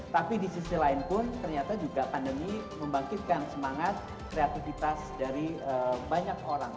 tapi di sisi lain pun ternyata juga pandemi membangkitkan semangat kreativitas dari banyak orang